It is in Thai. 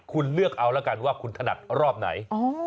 คุณเลือกเอาแล้วกันว่าคุณถนัดรอบไหน